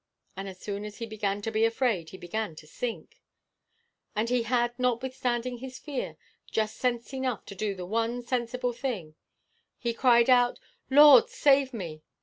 And as soon as he began to be afraid he began to sink; but he had, notwithstanding his fear, just sense enough to do the one sensible thing; he cried out, 'Lord, save me.